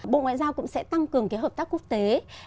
bộ ngoại giao cũng sẽ tăng cường hợp tác quốc tế